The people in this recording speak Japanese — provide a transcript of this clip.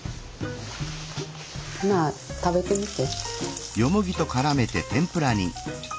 まあ食べてみて。